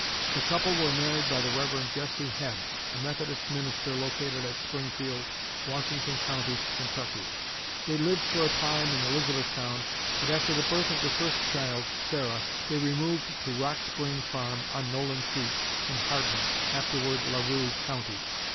The couple were married by the Rev. Jesse Head, a Methodist minister located at Springfield, Washington County, Kentucky. They lived for a time in Elizabethtown, but after the birth of their first child, Sarah, they removed to Rock Spring farm, on Nolin Creek, in Hardin (afterward LaRue) County.